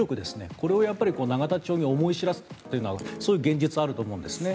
これを永田町に思い知らせたという現実があると思うんですね。